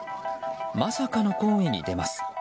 まさかの行為に出ます。